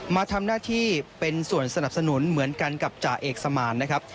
มาทำหน้าที่เป็นส่วนสนับสนุนเหมือนกันกับจ่าเอกสมานนะครับ